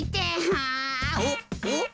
あおっおっ。